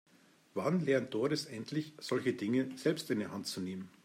Wann lernt Doris endlich, solche Dinge selbst in die Hand zu nehmen?